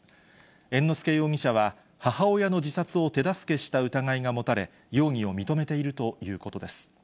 猿之助容疑者は母親の自殺を手助けした疑いが持たれ、容疑を認めているということです。